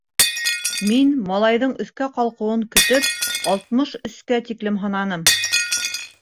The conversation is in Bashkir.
Мин, малайҙың өҫкә ҡалҡыуын көтөп, алтмыш өскә тиклем һананым.